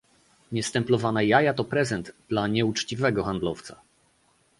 Niestemplowane jaja to prezent dla nieuczciwego handlowca